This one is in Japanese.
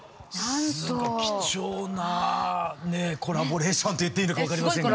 すごい貴重なコラボレーションと言っていいのか分かりませんが。